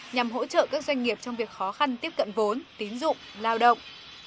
nhằm hỗ trợ các doanh nghiệp trong việc khó khăn tiếp cận vốn tín dụng lao động